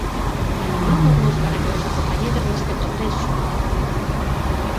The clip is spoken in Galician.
Animámosvos para que nos acompañedes neste proceso.